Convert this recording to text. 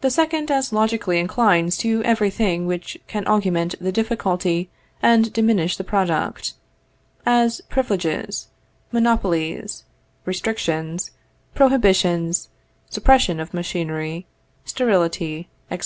The second as logically inclines to every thing which can augment the difficulty and diminish the product; as privileges, monopolies, restrictions, prohibitions, suppression of machinery, sterility, etc.